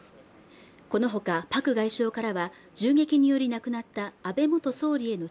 このほかパク外相からは銃撃により亡くなった安倍元総理への